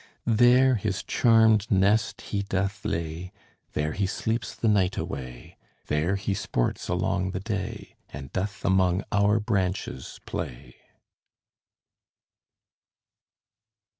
There his charmed nest he doth lay, There he sleeps the night away, There he sports along the day, And doth among our branches play.